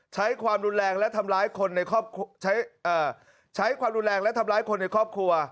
ใช้ความรุนแรงและทำร้ายคนในครอบครัว